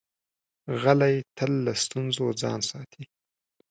غلی، تل له ستونزو ځان ساتي.